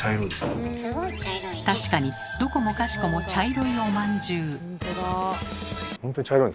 確かにどこもかしこも茶色いおまんじゅう。